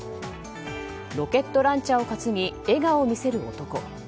ロケットランチャーを担ぎ笑顔を見せる男。